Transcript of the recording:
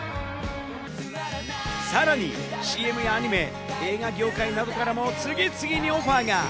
さらにＣＭやアニメ、映画業界などからも次々にオファーが。